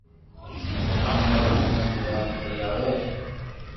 ھمو ڪاو ڪرو جملا تو ياد اي ڪوئي آوي